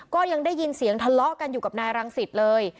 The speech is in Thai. ก็ยังได้ยินเสียงทะเลาะกันอยู่กับนายรังสิตเลย